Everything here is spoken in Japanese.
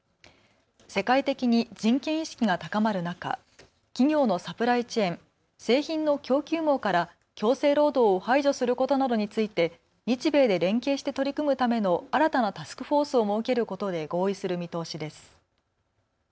世界的に人権意識が高まる中企業のサプライチェーン・製品の供給網から強制労働を排除することなどについて日米で連携して取り組むための新たなタスクフォースを設けることで合意する見通しです。